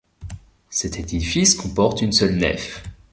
Cet édifice comporte une seule nef.